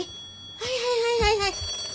はいはいはいはいはい。